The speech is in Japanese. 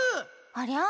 ありゃ？